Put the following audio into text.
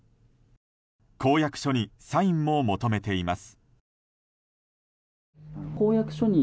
公約書にサインも求めています。